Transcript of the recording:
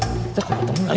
kita kok ketemu lagi